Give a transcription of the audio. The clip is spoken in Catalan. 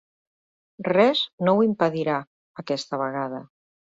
Res no ho impedirà, aquesta vegada.